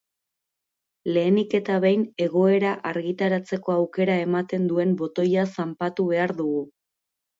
Lehenik eta behin egoera argitaratzeko aukera ematen duen botoia zanpatu behar dugu.